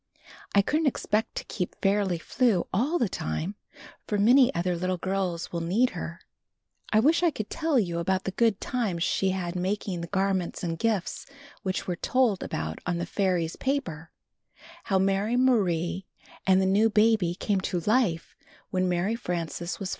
I couldn't expect to keep Fairly Flew all the time, for many other httle girls will need her." _[I wish I could tell you about the good times she "]r had making the garments and gifts which were told about on the fairy's paper; how Mary Marie and the new baby came to life when ^lary Frances was foUow